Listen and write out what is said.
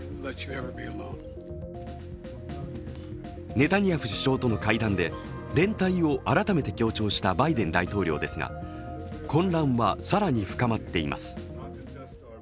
ネタニヤフ首相との会談で連帯を改めて強調したバイデン大統領ですが混乱は更に深まっています。